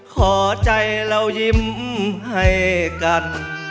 ขอใจเรายิ้มให้กัน